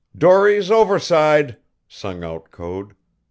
"Dories overside!" sung out Code.